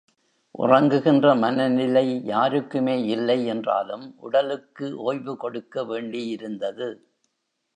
உறங்குகின்ற மனநிலை யாருக்குமே இல்லை என்றாலும் உடலுக்கு ஓய்வு கொடுக்க வேண்டியிருந்தது.